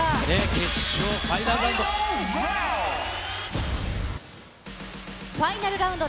決勝ファイナルラウンド。